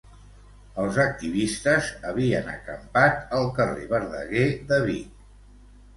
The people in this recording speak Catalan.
Els activistes havien acampat al carrer Verdaguer de Vic.